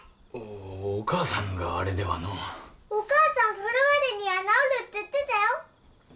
お母さんがあれではのお母さんそれまでには治るって言ってたよ